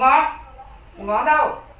một ngón đâu